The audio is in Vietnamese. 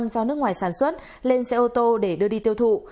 do nước ngoài sản xuất lên xe ô tô để đưa đi tiêu thụ